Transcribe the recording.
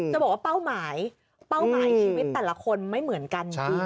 จะบอกว่าเป้าหมายเป้าหมายชีวิตแต่ละคนไม่เหมือนกันจริง